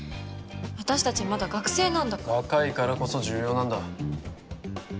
私たちまだ学生なんだから若いからこそ重要なんだ